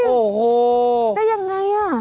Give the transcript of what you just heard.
โอ้โหได้ยังไงอ่ะ